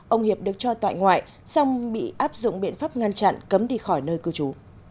ông hiệp được cho tại ngoại xong bị áp dụng biện pháp ngăn chặn cấm đi khỏi nơi cư trú